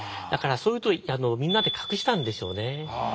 だからそういうとおりみんなで隠したんでしょうね。